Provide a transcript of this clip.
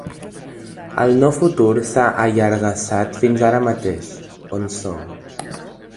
El no futur s’ha allargassat fins ara mateix, on som.